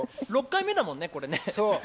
６回目だもんね、これね。